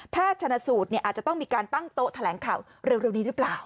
ชนะสูตรอาจจะต้องมีการตั้งโต๊ะแถลงข่าวเร็วนี้หรือเปล่า